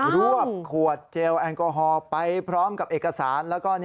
รวบขวดเจลแอลกอฮอล์ไปพร้อมกับเอกสารแล้วก็